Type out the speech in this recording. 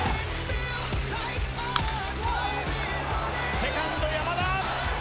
セカンド山田！